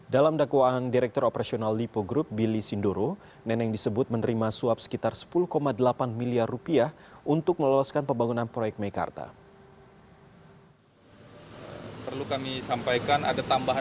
dalam dakwaan direktur operasional lipo group billy sindoro neneng disebut menerima suap sekitar sepuluh delapan miliar rupiah untuk meloloskan pembangunan proyek meikarta